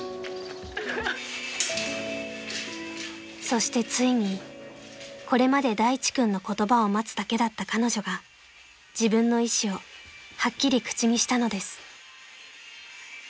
［そしてついにこれまで大地君の言葉を待つだけだった彼女が自分の意思をはっきり口にしたのです］